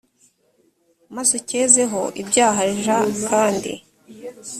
maze ucyezeho ibyaha j kandi